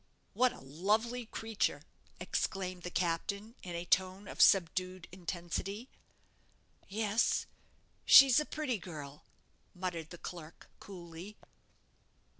"What a lovely creature!" exclaimed the captain, in a tone of subdued intensity. "Yes, she's a pretty girl," muttered the clerk, coolly.